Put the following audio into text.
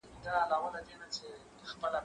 زه به سبا د ښوونځی لپاره امادګي نيسم وم،